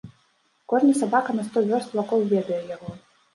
Кожны сабака на сто вёрст вакол ведае яго.